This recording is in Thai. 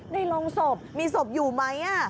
โรงศพมีศพอยู่ไหม